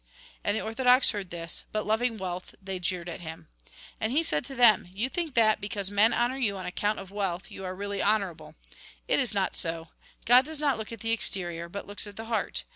And the orthodox heard this. But loving wealth, they jeered at him. And he said to them :" You think that, because men honour you on account of wealth, you are really honourable. It is not so. God does not look at the exterior, but looks at the heart.